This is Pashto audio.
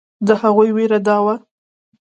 د هغوی وېره دا وه.